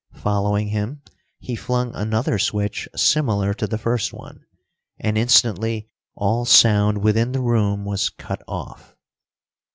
Following him, he flung another switch similar to the first one, and instantly all sound within the room was cut off.